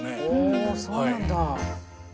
おそうなんだ。